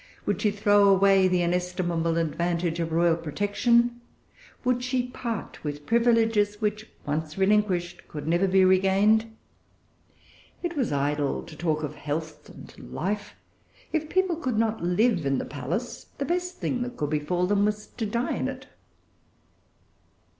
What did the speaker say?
Would she throw away the inestimable advantage of[Pg 375] royal protection? Would she part with privileges which, once relinquished, could never be regained? It was idle to talk of health and life. If people could not live in the palace, the best thing that could befall them was to die in it.